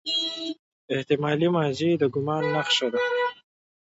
احتمالي ماضي د ګومان نخښه ده.